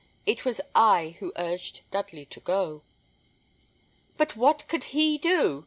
It was I who urged Dudley to go." "But what could he do?"